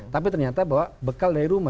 tapi ternyata bawa bekal dari rumah